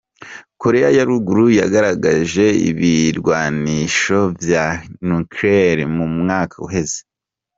Korea ya ruguru yaragerageje ibirwanisho vya nucleaire mu mwaka uheze.